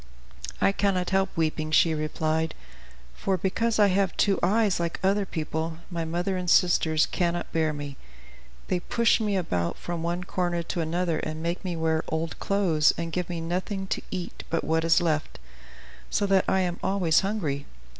"I cannot help weeping," she replied; "for because I have two eyes, like other people, my mother and sisters cannot bear me; they push me about from one corner to another and make me wear their old clothes, and give me nothing to eat but what is left, so that I am always hungry.